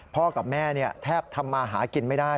กับแม่แทบทำมาหากินไม่ได้